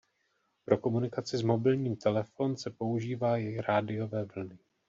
Pro komunikaci s mobilním telefon se používají rádiové vlny.